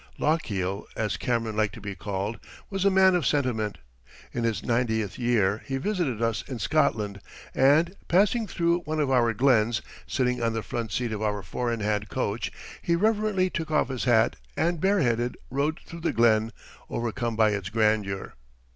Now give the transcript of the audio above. Lochiel, as Cameron liked to be called, was a man of sentiment. In his ninetieth year he visited us in Scotland and, passing through one of our glens, sitting on the front seat of our four in hand coach, he reverently took off his hat and bareheaded rode through the glen, overcome by its grandeur.